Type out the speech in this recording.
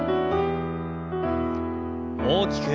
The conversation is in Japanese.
大きく。